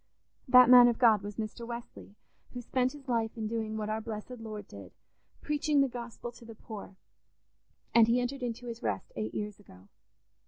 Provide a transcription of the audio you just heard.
"That man of God was Mr. Wesley, who spent his life in doing what our blessed Lord did—preaching the Gospel to the poor—and he entered into his rest eight years ago.